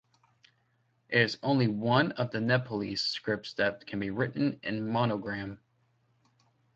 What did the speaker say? It is only one of the Nepalese scripts that can be written in monogram.